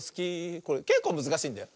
これけっこうむずかしいんだよ。